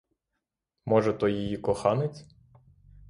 Може, то її коханець?